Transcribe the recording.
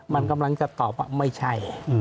มันกำลังจะตอบว่าไม่ใช่